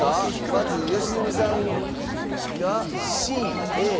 まず良純さんがＣＡＢ。